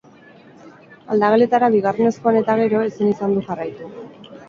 Aldageletara bigarrenez joan eta gero, ezin izan du jarraitu.